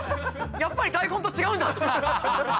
やっぱり台本と違うんだ。